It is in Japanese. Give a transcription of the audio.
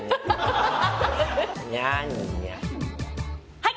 はい！